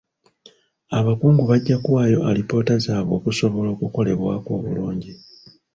Abakungu bajja kuwaayo alipoota zaabwe okusobola okukolebwako obulungi.